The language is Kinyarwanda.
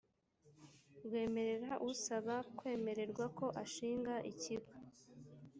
rwemerera usaba kwemererwa ko ashinga ikigo